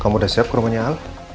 kamu udah siap ke rumahnya al